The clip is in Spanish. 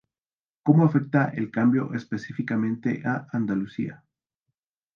como afecta el cambio específicamente a Andalucía